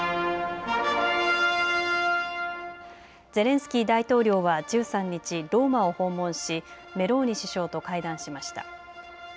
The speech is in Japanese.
ゼレンスキー大統領は１３日、ローマを訪問しメローニ首相と会談しました。